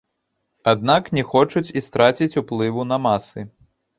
Аднак не хочуць і страціць уплыву на масы.